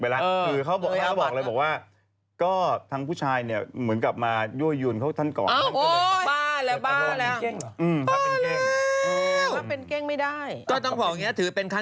ไลฟ์เรื่องธรรมะหรือเปล่า